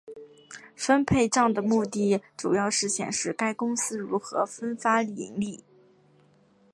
分配帐的目的主要是显示该公司如何分发盈利。